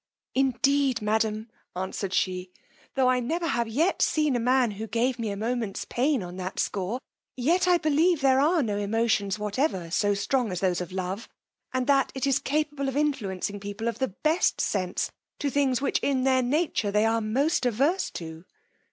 Indeed, madam, answered she, tho' I never have yet seen a man who gave me a moment's pain on that score, yet I believe there are no emotions whatever so strong as those of love, and that it is capable of influencing people of the best sense to things which in their nature they are most averse to.